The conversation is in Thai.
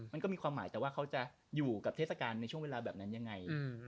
มันก็มีความหมายแต่ว่าเขาจะอยู่กับเทศกาลในช่วงเวลาแบบนั้นยังไง